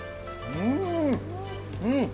うん！